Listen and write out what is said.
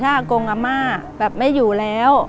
ถ้าอากงอาม่าแบบไม่อยู่แล้ว